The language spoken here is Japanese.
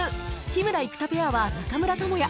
日村・生田ペアは中村倫也